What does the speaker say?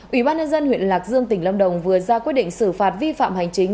ủy ban nhân dân huyện lạc dương tỉnh lâm đồng vừa ra quyết định xử phạt vi phạm hành chính